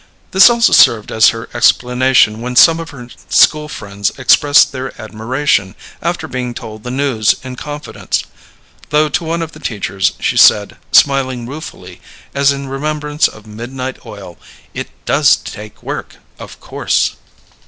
This also served as her explanation when some of her school friends expressed their admiration, after being told the news in confidence; though to one of the teachers she said, smiling ruefully, as in remembrance of midnight oil, "It does take work, of course!"